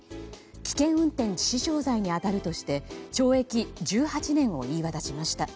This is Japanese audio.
危険運転致死傷罪に当たるとして懲役１８年を言い渡しました。